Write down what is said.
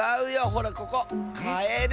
ほらここカエル。